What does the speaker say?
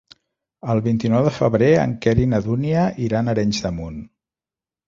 El vint-i-nou de febrer en Quer i na Dúnia iran a Arenys de Munt.